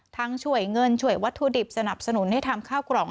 ช่วยเงินช่วยวัตถุดิบสนับสนุนให้ทำข้าวกล่อง